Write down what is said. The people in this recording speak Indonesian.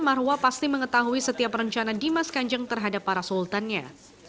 marwah pasti mengetahui setiap rencana dimas kanjeng terhadap para sultannya